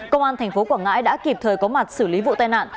công an tp quảng ngãi đã kịp thời có mặt xử lý vụ tai nạn